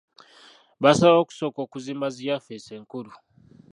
Basalawo okusooka okuzimba zi yafesi enkulu.